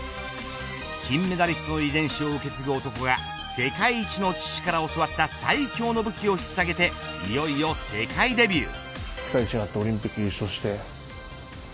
金メダリストの遺伝子を受け継ぐ男が世界一の父から教わった最強の武器を引っ提げていよいよ世界デビュー。